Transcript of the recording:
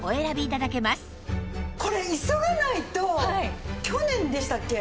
これ急がないと去年でしたっけ？